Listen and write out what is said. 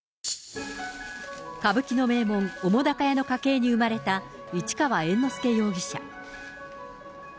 歌舞伎の名門、澤瀉屋の家系に生まれた市川猿之助容疑者。